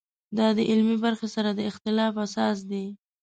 دا د علمي برخې سره د اختلاف اساس دی.